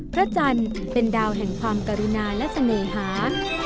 พระจันทร์เป็นดาวแห่งความกรุณาและเสน่หา